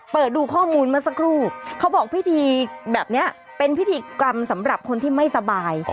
เปิดดูข้อมูลเมื่อสักครู่เขาบอกพิธีแบบนี้เป็นพิธีกรรมสำหรับคนที่ไม่สบาย